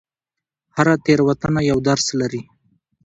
هره تېروتنه یو درس لري.